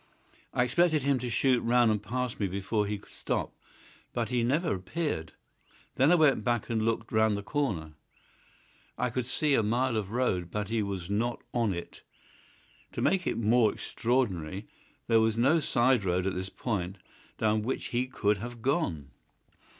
I expected him to shoot round and pass me before he could stop. But he never appeared. Then I went back and looked round the corner. I could see a mile of road, but he was not on it. To make it the more extraordinary, there was no side road at this point down which he could have gone."